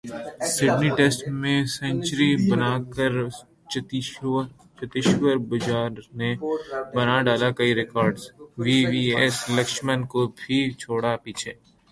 Sydney test میں century بناکر چتیشور پجارا نے بناڈالے کئی records, V V S Laxman کو بھی چھوڑا پیچھے